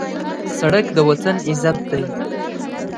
سړک د وطن عزت دی.